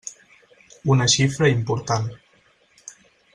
Una xifra important.